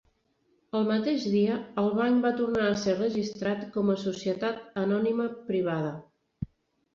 El mateix dia, el banc va tornar a ser registrat com a societat anònima privada.